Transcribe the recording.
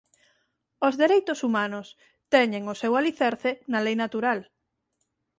Os dereitos humanos teñen o seu alicerce na lei natural.